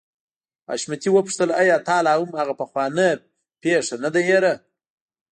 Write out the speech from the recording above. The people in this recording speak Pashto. حشمتي وپوښتل آيا تا لا هم هغه پخوانۍ پيښه نه ده هېره.